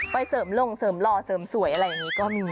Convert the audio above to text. เสริมลงเสริมหล่อเสริมสวยอะไรอย่างนี้ก็มี